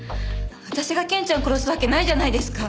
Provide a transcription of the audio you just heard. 私がケンちゃんを殺すわけないじゃないですか！